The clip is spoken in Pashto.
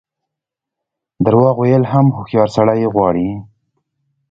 درواغ ویل هم هوښیار سړی غواړي.